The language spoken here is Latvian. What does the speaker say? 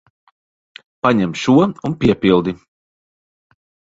Paņem šo un piepildi.